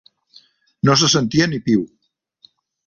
No se sentia ni piu.